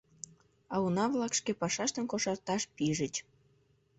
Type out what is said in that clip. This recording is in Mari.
А уна-влак шке пашаштым кошарташ пижыч.